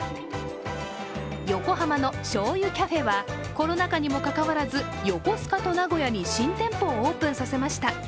横浜のしょうゆきゃふぇはコロナ禍にもかかわらず、横須賀と名古屋に新店舗をオープンさせました。